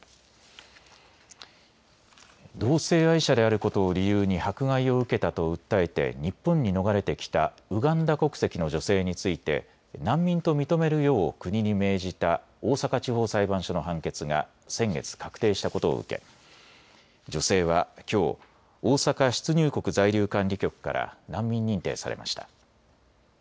同性愛者であることを理由に迫害を受けたと訴えて日本に逃れてきたウガンダ国籍の女性について難民と認めるよう国に命じた大阪地方裁判所の判決が先月、確定したことを受け女性はきょう大阪出入国在留管理局から難民認定されました。